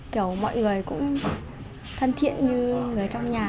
kiểu mọi người cũng thân thiện như người trong nhà